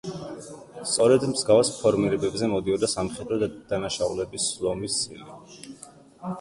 სწორედ მსგავს ფორმირებებზე მოდიოდა სამხედრო დანაშაულების ლომის წილი.